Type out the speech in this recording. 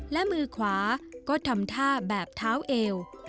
และมือขวาก็ทำท่าแบบเท้าเอว